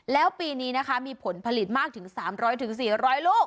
แล้วปีนี้นะคะมีผลผลิตมากถึงสามร้อยถึงสี่ร้อยลูก